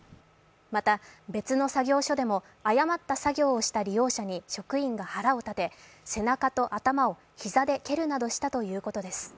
また別の作業所でも誤った作業をした利用者に職員が腹を立て、背中と頭を膝で蹴るなどしたということです。